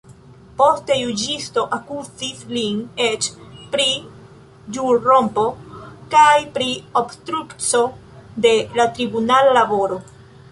Poste, juĝisto akuzis lin eĉ pri ĵurrompo kaj pri obstrukco de la tribunala laboro.